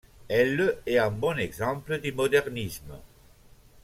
Elle est un bon exemple du modernisme.